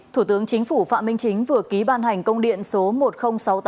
thủ tướng chính phủ phạm minh chính vừa ký ban hành công điện số một nghìn sáu mươi tám